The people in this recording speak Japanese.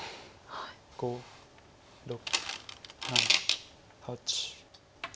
５６７８９。